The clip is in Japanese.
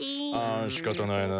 あしかたないな。